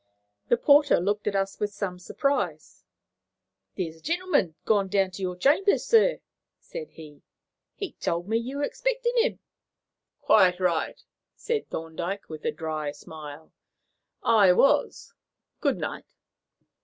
The porter looked at us with some surprise. "There's a gentleman just gone down to your chambers, sir," said he. "He told me you were expecting him." "Quite right," said Thorndyke, with a dry smile, "I was. Good night."